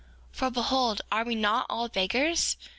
4:19 For behold, are we not all beggars?